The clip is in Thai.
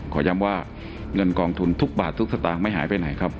ขอย้ำว่าเงินกองทุนทุกบาททุกสตางค์ไม่หายไปไหนครับ